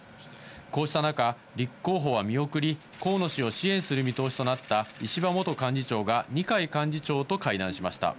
こうした中、立候補は見送り、河野氏を支援する見通しとなった石破元幹事長が二階幹事長と会談しました。